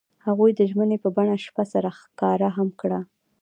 هغوی د ژمنې په بڼه شپه سره ښکاره هم کړه.